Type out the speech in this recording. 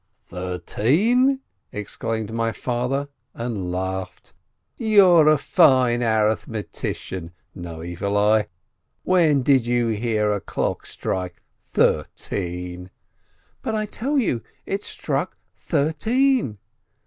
"Thirteen?" exclaimed my father, and laughed. "You're a fine arithmetician (no evil eye!). Whenever did you hear a clock strike thirteen?" "But I tell you, it struck thirteen